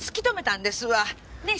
ねえ？